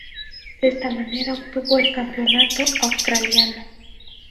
De esta manera obtuvo el campeonato australiano.